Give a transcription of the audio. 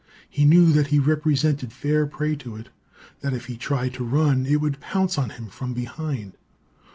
He knew that he represented fair prey to it; that if he tried to run, it would pounce on him from behind.